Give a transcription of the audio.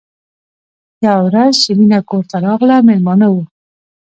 یوه ورځ چې مینه کور ته راغله مېلمانه وو